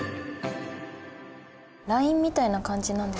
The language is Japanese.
ＬＩＮＥみたいな感じなんですかね？